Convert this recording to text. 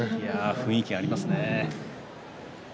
雰囲気があります。